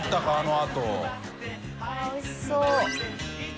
あぁおいしそう。